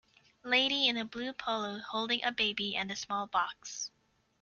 Lady in a blue polo holding a baby and a small box.